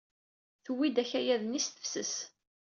Tuwey-d akayad-nni s tefses.